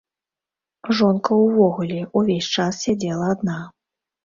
Жонка ўвогуле ўвесь час сядзела адна.